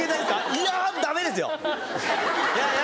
いやダメですよいや。